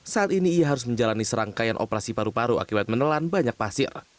saat ini ia harus menjalani serangkaian operasi paru paru akibat menelan banyak pasir